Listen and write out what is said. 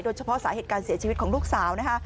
โดยเฉพาะสาเหตุการณ์เสียชีวิตของลูกสาว